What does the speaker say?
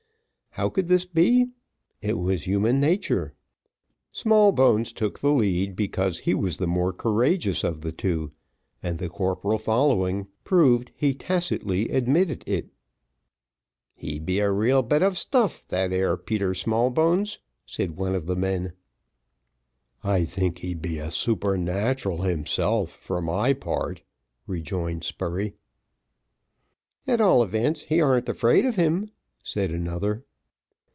How could this be? It was human nature. Smallbones took the lead, because he was the more courageous of the two, and the corporal following, proved he tacitly admitted it. "He be a real bit of stuff, that 'ere Peter Smallbones," said one of the men. "I thinks he be a supernatural himself, for my part," rejoined Spurey. "At all events, he ar'n't afeard of him," said another.